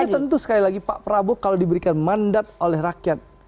tapi tentu sekali lagi pak prabowo kalau diberikan mandat oleh rakyat